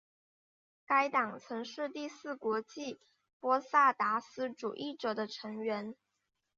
该党曾是第四国际波萨达斯主义者的成员。